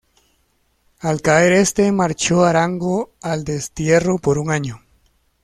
Al caer este, marchó Arango al destierro por un año.